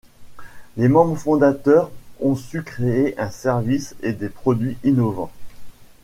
Les membres fondateurs ont su créer un service et des produits innovants.